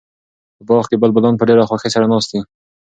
په باغ کې بلبلان په ډېره خوښۍ سره ناست دي.